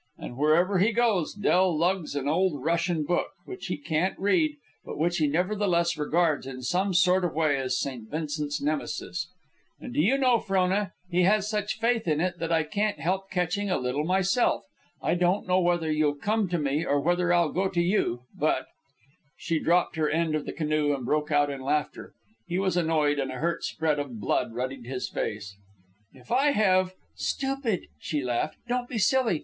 "And wherever he goes, Del lugs an old Russian book, which he can't read but which he nevertheless regards, in some sort of way, as St. Vincent's Nemesis. And do you know, Frona, he has such faith in it that I can't help catching a little myself. I don't know whether you'll come to me, or whether I'll go to you, but " She dropped her end of the canoe and broke out in laughter. He was annoyed, and a hurt spread of blood ruddied his face. "If I have " he began. "Stupid!" she laughed. "Don't be silly!